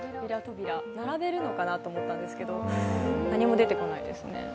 並べるのかなと思ったんですけど、何も出てこないですね。